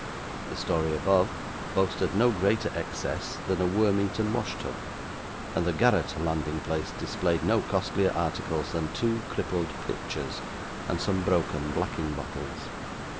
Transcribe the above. The story above, boasted no greater excess than a worm eaten wash tub; and the garret landing place displayed no costlier articles than two crippled pitchers, and some broken blacking bottles.